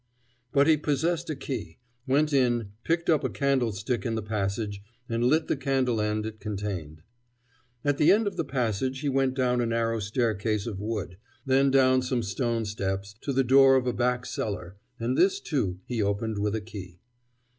But he possessed a key, went in, picked up a candlestick in the passage, and lit the candle end it contained. At the end of the passage he went down a narrow staircase of wood, then down some stone steps, to the door of a back cellar: and this, too, he opened with a key.